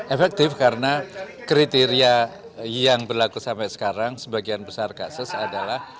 efektif karena kriteria yang berlaku sampai sekarang sebagian besar kasus adalah